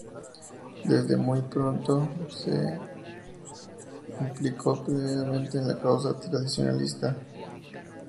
Desde muy pronto se implicó plenamente en la causa tradicionalista.